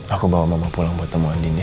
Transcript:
aku bawa mama pulang buat temuan andin ya